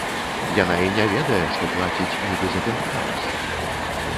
Яна і не ведае, што плаціць нібы за пентхаўс!